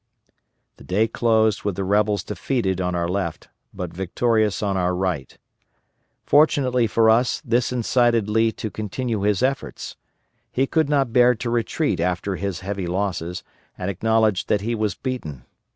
The day closed with the rebels defeated on our left, but victorious on our right. Fortunately for us, this incited Lee to continue his efforts. He could not bear to retreat after his heavy losses, and acknowledge that he was beaten.